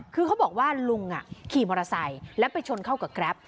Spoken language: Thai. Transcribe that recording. คือเขาบอกว่าลุงขี่มอเตอร์ไซค์แล้วไปชนเข้ากับแกรป